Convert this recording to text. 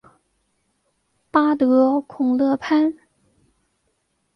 巴德孔勒潘。